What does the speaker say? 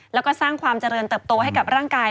แล้วก็สร้างความเจริญเติบโตให้กับร่างกาย